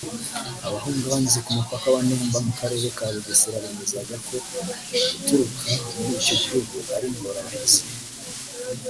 Abahunga banyuze ku mupaka wa Nemba mu Karere ka Bugesera bemezaga ko guturuka muri icyo gihugu ari ingorabahizi